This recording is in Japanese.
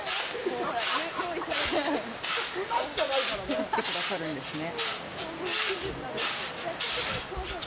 掘ってくださるんですね。